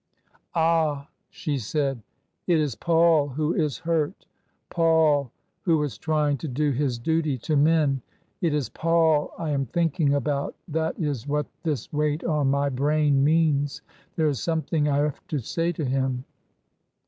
" Ah !" she said ;" it is Paul who is hurt — Paul ! who was trying to do his duty to men. It is Paul I am think ing about — that is what this weight on my brain means. There is something I have to say to him."